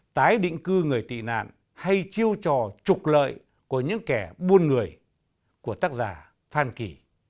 tái định cư người tị nạn hay chiêu trò trục lợi của những kẻ buôn người của tác giả phan kỳ